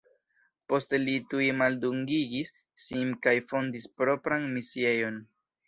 Poste li tuj maldungigis sin kaj fondis propran misiejon.